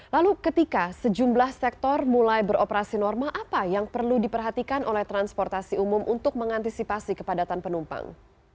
lalu ketika sejumlah sektor mulai beroperasi normal apa yang perlu diperhatikan oleh transportasi umum untuk mengantisipasi kepadatan penumpang